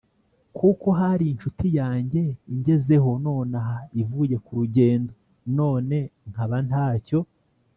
kuko hari incuti yanjye ingezeho nonaha ivuye ku rugendo none nkaba nta cyo